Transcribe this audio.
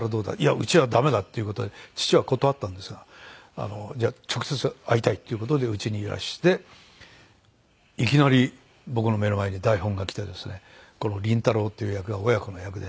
「うちはダメだ」っていう事で父は断ったんですがじゃあ直接会いたいっていう事でうちにいらしていきなり僕の目の前に台本が来てですねこの麟太郎っていう役は親子の役で。